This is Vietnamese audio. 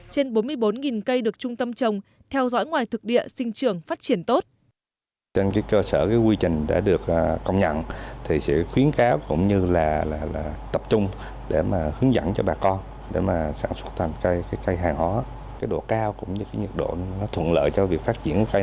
trên bốn mươi bốn cây được trung tâm trồng theo dõi ngoài thực địa sinh trưởng phát triển tốt